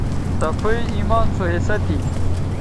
صفائ ایمان سو حصہ تھی